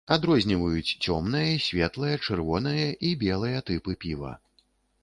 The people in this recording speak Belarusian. Адрозніваюць цёмнае, светлае, чырвонае і белыя тыпы піва.